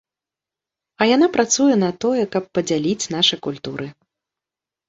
А яна працуе на тое, каб падзяліць нашы культуры.